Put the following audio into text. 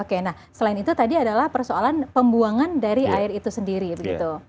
oke nah selain itu tadi adalah persoalan pembuangan dari air itu sendiri begitu